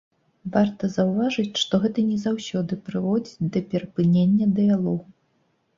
Варта заўважыць, што гэта не заўсёды прыводзіць да перапынення дыялогу.